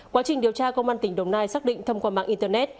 quá trình điều tra công an tỉnh đồng nai xác định thông qua mạng internet